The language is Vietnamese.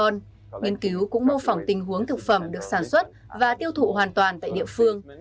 nghiên cứu cũng mô phỏng tình huống thực phẩm được sản xuất và tiêu thụ hoàn toàn tại địa phương